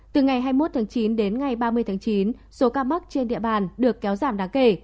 từ ngày hai mươi một tháng chín đến ngày ba mươi tháng chín số ca mắc trên địa bàn được kéo giảm đáng kể